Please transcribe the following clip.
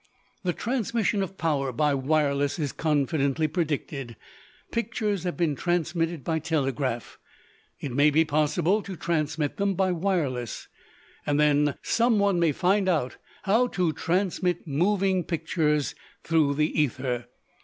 The transmission of power by wireless is confidently predicted. Pictures have been transmitted by telegraph. It may be possible to transmit them by wireless. Then some one may find out how to transmit moving pictures through the ether.